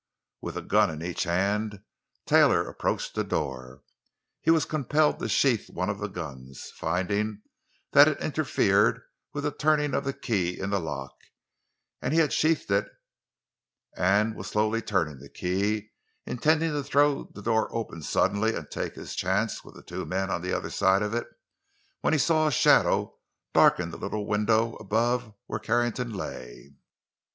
With a gun in each hand, Taylor approached the door. He was compelled to sheath one of the guns, finding that it interfered with the turning of the key in the lock; and he had sheathed it and was slowly turning the key, intending to throw the door open suddenly and take his chance with the two men on the other side of it, when he saw a shadow darken the little window above where Carrington lay.